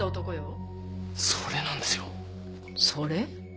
⁉それなんですよそれ？